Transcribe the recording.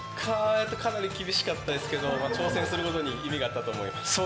かなり厳しかったですけど挑戦することに意味があったと思います。